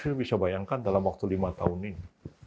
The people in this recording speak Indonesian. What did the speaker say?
pak yusril bisa bayangkan dalam waktu lima tahun ini